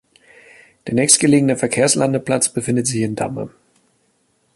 Der nächstgelegene Verkehrslandeplatz befindet sich in Damme.